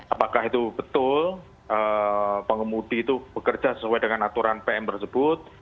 apakah itu betul pengemudi itu bekerja sesuai dengan aturan pm tersebut